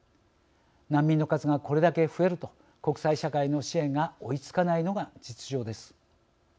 難民の数がこれだけ増えると国際社会の支援が追いつかないのが実情です。